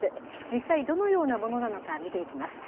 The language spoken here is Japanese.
実際、どのようなものなのか見ていきます。